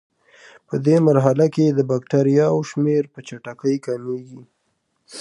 پدې مرحله کې د بکټریاوو شمېر په چټکۍ کمیږي.